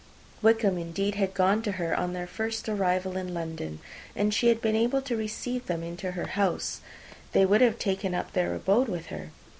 Wickham, indeed, had gone to her on their first arrival in London; and had she been able to receive them into her house, they would have taken up their abode with her.